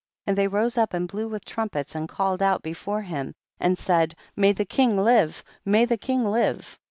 36. And they rose up and blew with trumpets and called out before him, and said, may the king live, may the king live